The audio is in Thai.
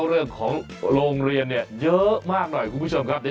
คุณครูโรงเรียนผมผู้หญิงเหมือนนี้